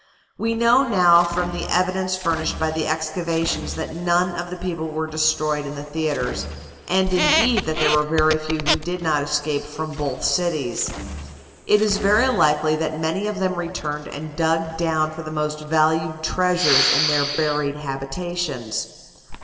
We now know from the evidence furnished by the excavations that none of the people were destroyed in the theatres, and, indeed, that there were very few who did not escape from both cities. It is very likely that many of them returned and dug down for the most valued treasures in their buried habitations.